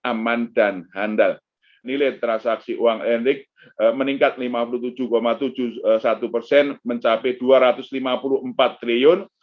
aman dan handal nilai transaksi uang ending meningkat lima puluh tujuh tujuh puluh satu persen mencapai dua ratus lima puluh empat triliun